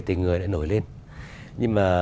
tình người nó nổi lên nhưng mà